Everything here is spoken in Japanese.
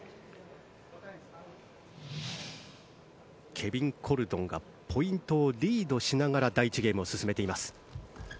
ケビン・コルドンがポイントをリードしながら第１ゲームを進めています。